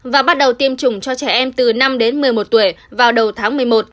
và bắt đầu tiêm chủng cho trẻ em từ năm đến một mươi một tuổi vào đầu tháng một mươi một